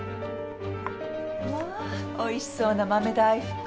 まあおいしそうな豆大福。